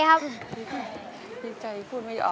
หนึ่งหมาย